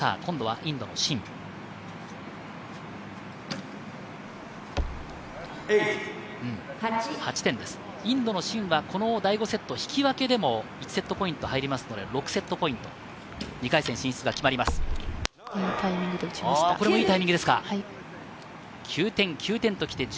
インドのシンは、この第５セット、引き分けでも１セットポイント入りますので、６セットポイント、２回戦進出がいいタイミングで撃ちました。